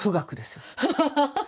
ハハハハハ！